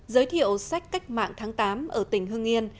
giới thiệu sách cách mạng tháng tám ở tỉnh hương nghiên